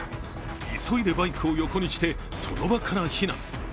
急いでバイクを横にしてその場から避難。